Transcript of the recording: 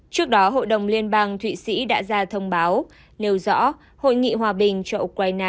trước đó hội đồng liên bang thụy sĩ đã ra thông báo nêu rõ hội nghị hòa bình cho ukraine